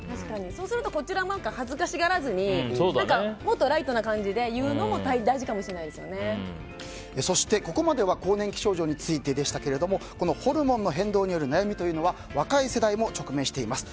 そうするとこちらも恥ずかしがらずにもっとライトな感じで言うのもそして、ここまでは更年期症状についてでしたけどホルモンの変動による悩みというのは若い世代も直面しています。